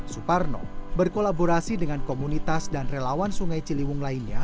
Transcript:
suparno berkolaborasi dengan komunitas dan relawan sungai cilewung